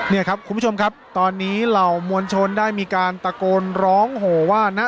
นี่ครับคุณผู้ชมครับตอนนี้เหล่ามวลชนได้มีการตะโกนร้องโหว่านะ